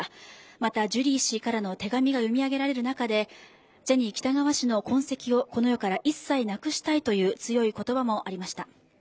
またジュリー氏からの手紙が読み上げられる中でジャニー喜多川氏の痕跡をこの世から一切なくしたいという強い言葉もありました。